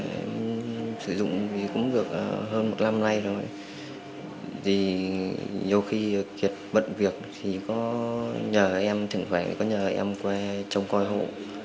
em sử dụng cũng được hơn một năm nay rồi nhiều khi kiệt bận việc thì có nhờ em thỉnh thoảng có nhờ em qua trông coi hộ